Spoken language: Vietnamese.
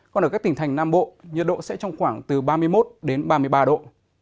còn ở các tỉnh thành nam bộ nhiệt độ sẽ trong khoảng từ ba mươi một đến ba mươi ba độ